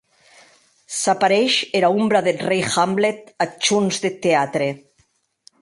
S’apareish era ombra deth rei Hamlet ath hons deth teatre.